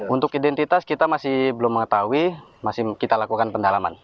untuk identitas kita masih belum mengetahui masih kita lakukan pendalaman